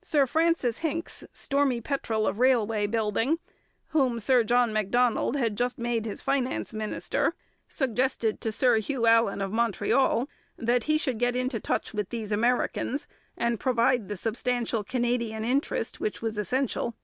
Sir Francis Hincks, stormy petrel of railway building, whom Sir John Macdonald had just made his finance minister, suggested to Sir Hugh Allan of Montreal that he should get into touch with these Americans and provide the substantial Canadian interest which was essential.